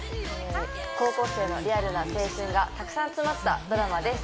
高校生のリアルな青春がたくさん詰まったドラマです